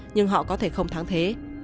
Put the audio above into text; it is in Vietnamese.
nhưng họ có thể không thắng thế